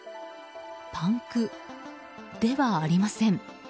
パンクではありません。